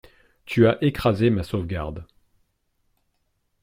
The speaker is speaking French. Tu as écrasé ma sauvegarde.